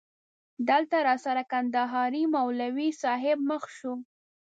دلته راسره کندهاری مولوی صاحب مخ شو.